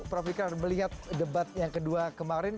prof ikrar melihat debat yang kedua kemarin